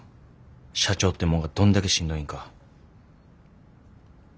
社長ってもんがどんだけしんどいんか。